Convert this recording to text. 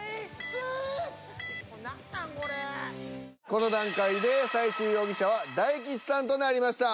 この段階で最終容疑者は大吉さんとなりました。